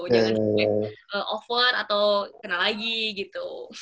jangan sampai over atau kena lagi gitu